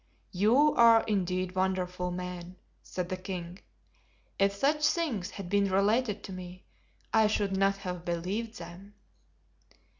"You are, indeed, wonderful men," said the king; "if such things had been related to me I should not have believed them."